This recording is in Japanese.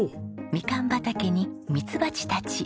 みかん畑にミツバチたち。